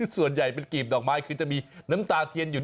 ส่วนใหญ่เป็นกรีบดอกไม้คือจะมีน้ำตาเทียนอยู่